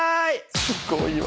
すごいわ。